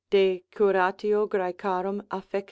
de curat. Graec. affect.